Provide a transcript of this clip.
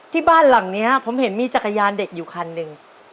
บ้านหลังนี้ผมเห็นมีจักรยานเด็กอยู่คันหนึ่ง